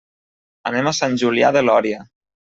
Anem a Sant Julià de Lòria.